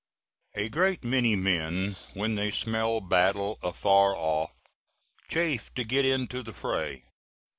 A great many men, when they smell battle afar off, chafe to get into the fray.